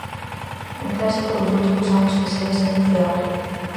Un clásico dos últimos anos que segue sendo fiable.